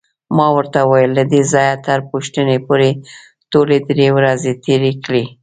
ما ورته وویل: له دې ځایه تر پوښتنې پورې ټولې درې ورځې تېرې کړې.